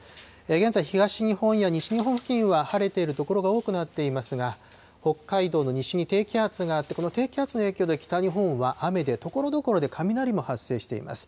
現在、東日本や西日本付近は晴れている所が多くなっていますが、北海道の西に低気圧があって、この低気圧の影響で北日本は雨で、ところどころで雷も発生しています。